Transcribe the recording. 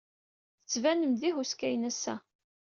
Tettbanem-d d ihuskayen ass-a.